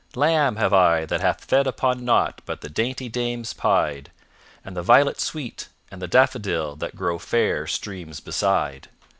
"Lamb have I that hath fed upon nought But the dainty dames pied, And the violet sweet, and the daffodil That grow fair streams beside.